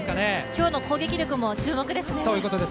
今日の攻撃力も注目ですね。